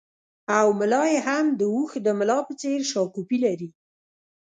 او ملا یې هم د اوښ د ملا په څېر شاکوپي لري